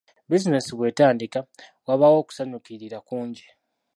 Bizinensi bw’etandika, wabaawo okusanyukirira kungi.